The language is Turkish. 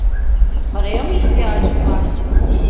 Paraya mı ihtiyacın var?